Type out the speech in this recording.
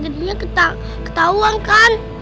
jadinya ketahuan kan